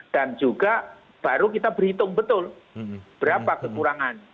dan juga baru kita berhitung betul berapa kekurangan